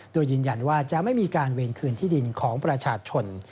โดยยืนยันว่าจะไม่มีการเวรคืนที่ดินของประชาชน